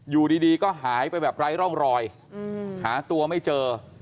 อยู่ดีก็หายไปแบบไร้ร่องรอยหาตัวไม่เจอ